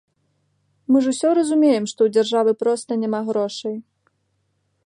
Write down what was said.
Мы ж усе разумеем, што ў дзяржавы проста няма грошай.